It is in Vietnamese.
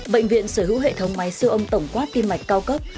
bệnh viện sở hữu hệ thống máy siêu âm tổng quát tim mạch cao cấp